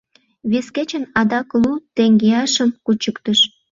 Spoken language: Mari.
Вес кечын адак лу теҥгеашым кучыктыш.